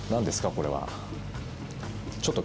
これは。